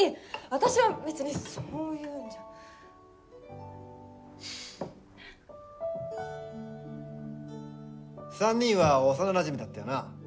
私は別にそういうんじゃ３人は幼なじみだったよな？